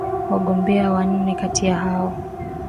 wagombea wanne kati ya hao